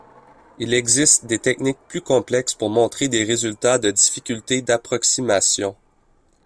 Il existe des techniques plus complexes pour montrer des résultats de difficulté d'approximation.